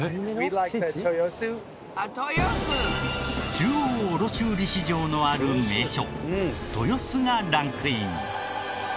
中央卸売市場のある名所豊洲がランクイン。